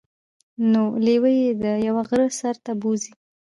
نو لیوه يې د یوه غره سر ته بوځي.